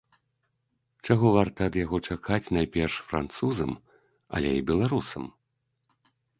Чаго варта ад яго чакаць найперш французам, але і беларусам?